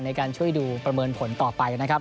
ในการช่วยดูประเมินผลต่อไปนะครับ